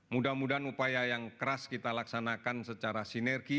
mudah mudahan upaya yang keras kita laksanakan secara sinergi